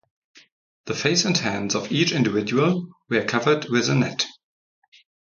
The face and hands of each individual were covered with a net.